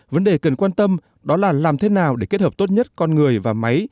vấn đề cần quan tâm đó là làm thế nào để kết hợp tốt nhất con người và máy